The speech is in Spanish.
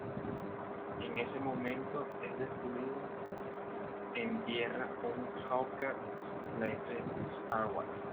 En ese momento es destruido en tierra un Hawker Siddeley Trident de Cyprus Airways.